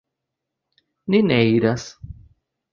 Ni ne iras.